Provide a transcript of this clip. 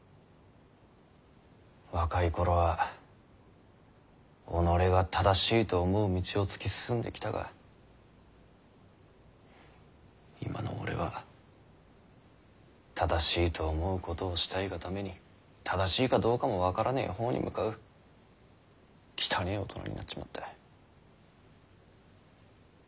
若い頃は己が正しいと思う道を突き進んできたが今の俺は正しいと思うことをしたいがために正しいかどうかも分からねぇ方に向かう汚ぇ大人になっちまった。